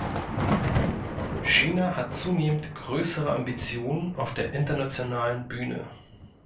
China hat zunehmend größere Ambitionen auf der internationalen Bühne.